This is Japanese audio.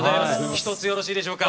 一つよろしいでしょうか？